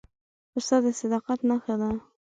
پسه د صداقت نښه ده.